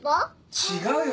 違うよ